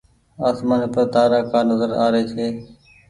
آسمآني پر تآرآ ڪآ نزر آ ري ڇي۔